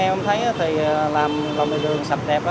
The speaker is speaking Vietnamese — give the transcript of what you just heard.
em thấy làm lồng đường sạch đẹp